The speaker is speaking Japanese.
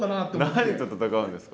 何と戦うんですか？